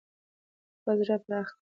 خپل زړه پراخ کړئ.